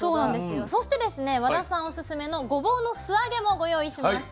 そしてですね和田さんオススメのごぼうの素揚げもご用意しました。